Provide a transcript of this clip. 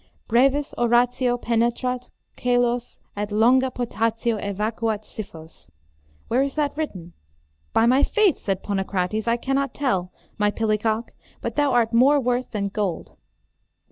Brevis oratio penetrat caelos et longa potatio evacuat scyphos. Where is that written? By my faith, said Ponocrates, I cannot tell, my pillicock, but thou art more worth than gold.